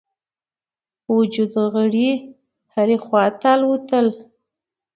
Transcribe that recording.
وجود غړي هري خواته الوتل.